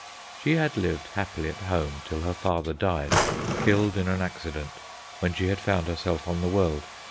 She had lived happily at home till her father died, killed in an accident, when she had found herself on the world.